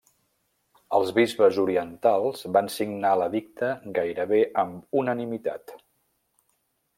Els bisbes orientals van signar l'edicte gairebé amb unanimitat.